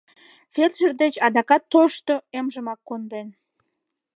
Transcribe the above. Фельдшер деч адакат тошто эмжымак конден.